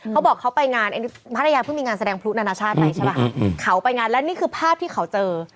เขาบอกเขาไปงานพัทยาเพิ่งมีงานแสดงพลุนานาชาติไปใช่ป่ะเขาไปงานแล้วนี่คือภาพที่เขาเจอ